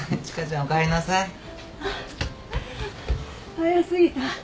早すぎた？